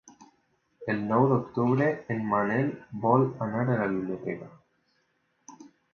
El nou d'octubre en Manel vol anar a la biblioteca.